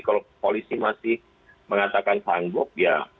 kalau polisi masih mengatakan sanggup ya kita harus menangkap